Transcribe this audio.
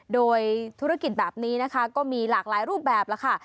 โดยธุรกิจแบบนี้นะคะก็มีหลากหลายรูปแบบแล้วค่ะ